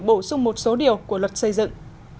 bổ sung một số điều của luật xây dựng